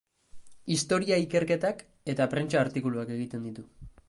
Historia ikerketak eta prentsa-artikuluak egiten ditu.